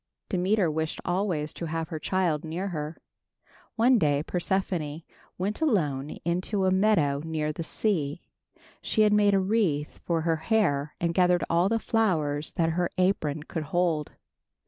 Demeter wished always to have her child near her. One day Persephone went alone into a meadow near the sea. She had made a wreath for her hair, and gathered all the flowers that her apron could hold.